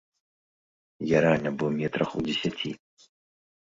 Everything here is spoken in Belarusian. Я рэальна быў метрах у дзесяці.